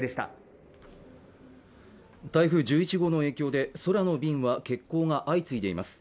台風１１号の影響で空の便は欠航が相次いでいます